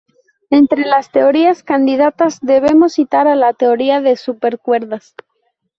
Entre las teorías candidatas debemos citar a la teoría de supercuerdas.